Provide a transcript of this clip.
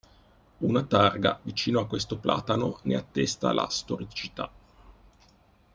Una targa vicino a questo platano ne attesta la storicità.